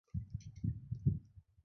毕业于。